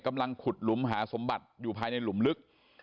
กำลังขุดหลุมหาสมบัติอยู่ภายในหลุมลึก